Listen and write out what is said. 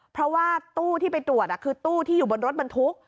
เพราะว่าตู้ที่ไปตรวจคือตู้ที่อยู่บนรถบรรทุก